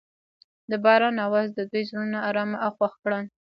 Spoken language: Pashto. د باران اواز د دوی زړونه ارامه او خوښ کړل.